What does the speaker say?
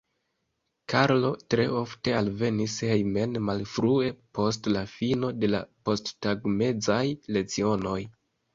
Karlo tre ofte alvenis hejmen malfrue post la fino de la posttagmezaj lecionoj.